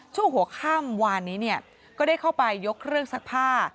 ช่วงหัวข้ามวานนี้เนี่ยก็ได้เข้าไปยกเครื่องซักผ้า